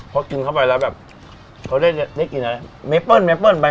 พอกินเข้าไปแล้วแบบเขาได้กินอะไรเมเปิ้ลเมเปิ้ลไป